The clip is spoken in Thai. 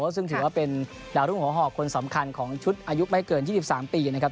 ซึ่งถือว่าเป็นดาวรุ่งหัวหอบคนสำคัญของชุดอายุไม่เกิน๒๓ปีนะครับ